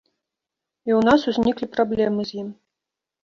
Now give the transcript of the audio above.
І ў нас узніклі праблемы з ім.